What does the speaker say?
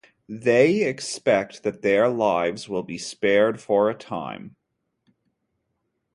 They expect that their lives will be spared for a time.